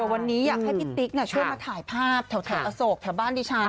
วันนี้อยากให้พี่ติ๊กช่วยมาถ่ายภาพแถวอโศกแถวบ้านดิฉัน